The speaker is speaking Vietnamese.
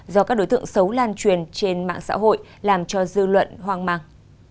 do các đối tượng xấu lan truyền trên mạng xã hội làm cho dư luận hoang mang